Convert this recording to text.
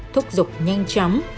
thúc giục nhanh chấm